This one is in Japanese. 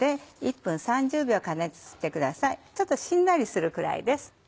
ちょっとしんなりするくらいです。